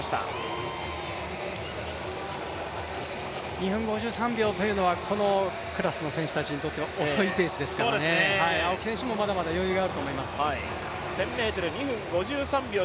２分５３秒というのはこのクラスの選手たちにとっては遅いペースですからね、青木選手もまだまだ余裕があると思います。